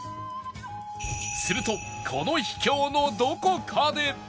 するとこの秘境のどこかで